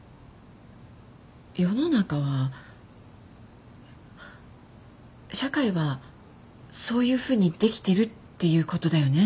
世の中は社会はそういうふうにできてるっていうことだよね。